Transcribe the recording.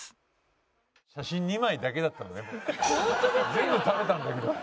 全部食べたんだけどね。